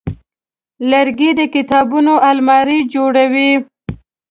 لرګی د کتابونو المارۍ جوړوي.